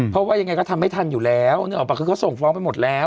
เพราะว่ายังไงก็ทำไม่ทันอยู่แล้วนึกออกปะคือเขาส่งฟ้องไปหมดแล้ว